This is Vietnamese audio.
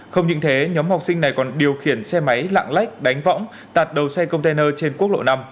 không những thế nhóm học sinh này còn điều khiển xe máy lạng lách đánh võng tạt đầu xe container trên quốc lộ năm